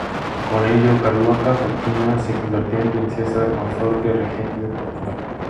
Con ello, Carlota Joaquina se convertía en princesa consorte-regente de Portugal.